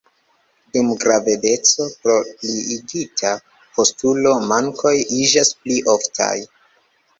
Dum gravedeco, pro pliigita postulo, mankoj iĝas pli oftaj.